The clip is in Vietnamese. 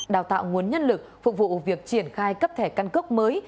đào tạo nguồn nhân lực phục vụ việc triển khai cấp thẻ căn cước mới